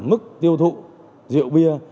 mức tiêu thụ rượu bia